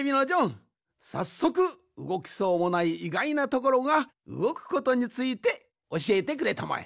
さっそくうごきそうもないいがいなところがうごくことについておしえてくれたまえ。